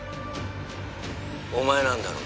お前なんだろう？